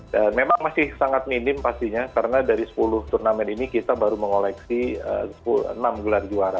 dan memang masih sangat minim pastinya karena dari sepuluh turnamen ini kita baru mengoleksi enam gelar juara